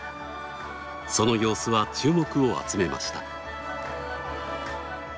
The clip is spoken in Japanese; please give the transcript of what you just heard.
その様子は注目を集めました。